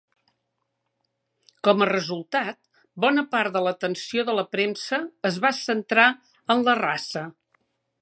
Com a resultat, bona part de l'atenció de la premsa es va centrar en la raça.